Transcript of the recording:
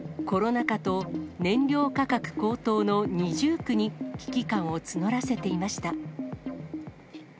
コロナ禍と燃料価格高騰の二重苦に、危機感を募らせていました。